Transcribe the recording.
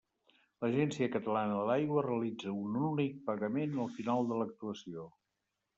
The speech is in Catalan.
L'Agència Catalana de l'Aigua realitza un únic pagament al final de l'actuació.